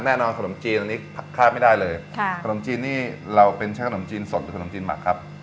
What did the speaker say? แน่นอนขนมจีนอันนี้คาดไม่ได้เลยค่ะขนมจีนนี่เราเป็นช่างขนมจีนสดหรือขนมจีนหมักครับ